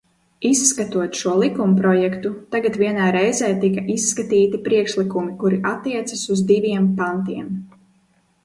Izskatot šo likumprojektu, tagad vienā reizē tika izskatīti priekšlikumi, kuri attiecas uz diviem pantiem.